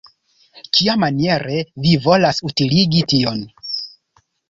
Kiamaniere vi volas utiligi tion?